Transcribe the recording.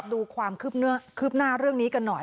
ดูความคืบหน้าเรื่องนี้กันหน่อย